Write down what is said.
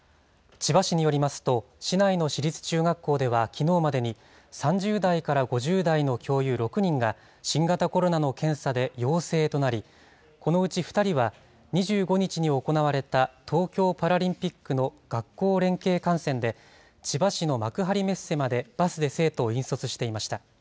千葉市によりますと、市内の市立中学校ではきのうまでに３０代から５０代の教諭６人が、新型コロナの検査で陽性となり、このうち２人は、２５日に行われた東京パラリンピックの学校連携観戦で、千葉市の幕張メッセまでバスで生徒を引率していました。